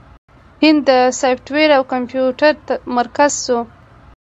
هند د سافټویر او کمپیوټر مرکز شو.